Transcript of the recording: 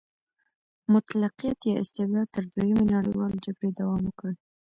مطلقیت یا استبداد تر دویمې نړیوالې جګړې دوام وکړ.